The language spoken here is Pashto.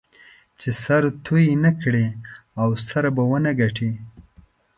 چې سره توی نه کړې؛ سره به و نه ګټې.